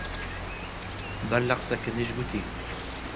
بەر لە قسە کردنیش گوتی: